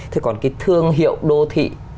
thế còn cái thương hiệu đô thị